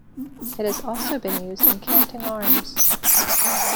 It has also been used in canting arms.